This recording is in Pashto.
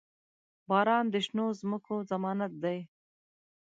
• باران د شنو ځمکو ضمانت دی.